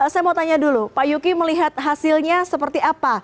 saya mau tanya dulu pak yuki melihat hasilnya seperti apa